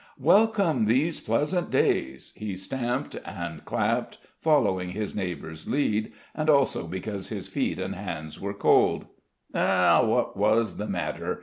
"Welcome these pleasant days!" He stamped and clapped, following his neighbours' lead, and also because his feet and hands were cold. Eh? What was the matter?